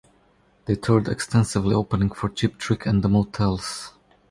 They toured extensively, opening for Cheap Trick, and The Motels.